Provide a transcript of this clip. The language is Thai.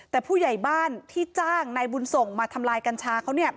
แต่ผู้ใหญ่บ้านที่จ้างนายบุญส่งมาทำลายกัญชาเขา